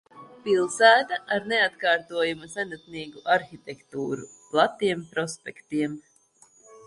Pilsēta ar neatkārtojamu senatnīgu arhitektūru, platiem prospektiem.